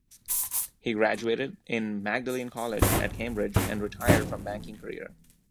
He graduated in Magdalene College at Cambridge and retired from banking career.